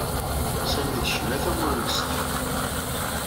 Sami d ccmata ur nettseḍḥi.